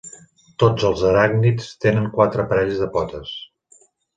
Tots els aràcnids tenen quatre parells de potes.